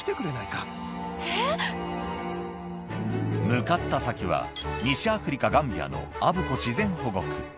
向かった先は西アフリカガンビアのアブコ自然保護区